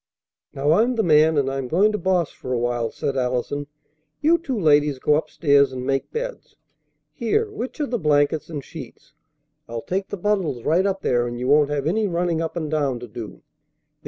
"Now, I'm the man, and I'm going to boss for a while," said Allison. "You two ladies go up stairs, and make beds. Here, which are the blankets and sheets? I'll take the bundles right up there, and you won't have any running up and down to do.